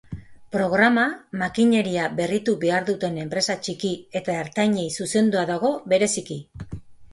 Programa makineria berritu behar duten enpresa txiki eta ertainei zuzendua dago bereziki.